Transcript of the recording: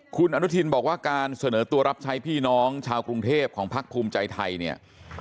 คุณอนุทินบอกว่าการเสนอตัวรับใช้พี่น้องชาวกรุงเทพของพักภูมิใจไทยเนี่ย